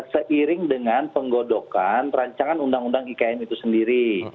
seiring dengan penggodokan rancangan undang undang ikn itu sendiri